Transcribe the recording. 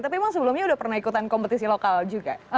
tapi emang sebelumnya udah pernah ikutan kompetisi lokal juga